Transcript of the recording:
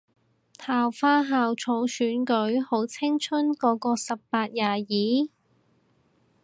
校花校草選舉？好青春個個十八廿二